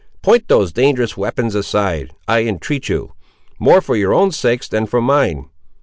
Point those dangerous weapons aside, I entreat of you; more for your own sakes, than for mine.